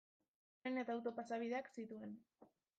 Tren eta auto pasabideak zituen.